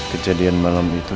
kejadian malam itu